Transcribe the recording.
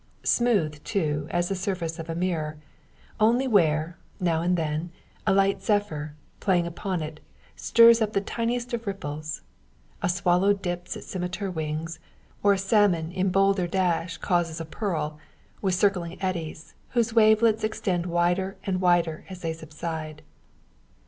Smooth, too, as the surface of a mirror; only where, now and then, a light zephyr, playing upon it, stirs up the tiniest of ripples; a swallow dips its scimitar wings; or a salmon in bolder dash causes a purl, with circling eddies, whose wavelets extend wider and wider as they subside.